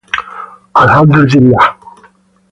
هو، واضح تدریس کوي